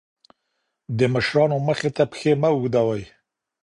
د مشرانو مخې ته پښې مه اوږدوئ.